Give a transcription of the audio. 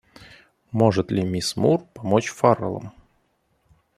Может ли миссис Мур помочь Фаррелам?